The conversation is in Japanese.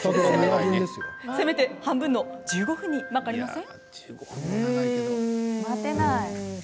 せめて半分の１５分にまかりません？